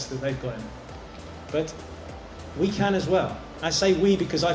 memang benar dia berhak memiliki titel messi